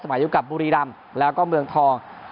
สมัยยุคกับบุรีรัมป์แล้วก็เมืองทอง